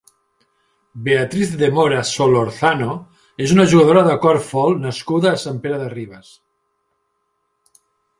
Beatriz de Mora Solorzano és una jugadora de corfbol nascuda a Sant Pere de Ribes.